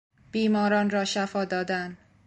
بیماران را شفا دادن